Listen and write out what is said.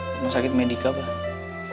rumah sakit medika bang